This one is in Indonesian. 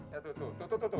ya tuh tuh tuh tuh tuh tuh